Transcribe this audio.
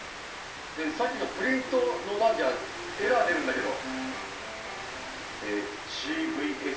さっきのｐｒｉｎｔじゃエラー出るんだけど。